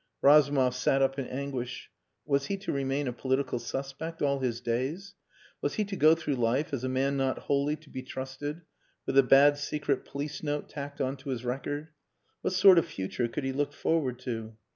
Razumov sat up in anguish. Was he to remain a political suspect all his days? Was he to go through life as a man not wholly to be trusted with a bad secret police note tacked on to his record? What sort of future could he look forward to?